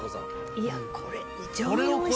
いやこれ。